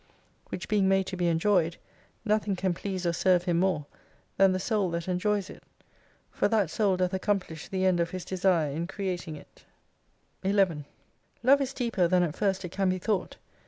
Which being made to be enjoyed, nothing can please or serve Him more, than the Soul that enjoys it. For that Soul doth accomplish the end of His desire in Creating it. 11 Love is deeper than at first it can be thought.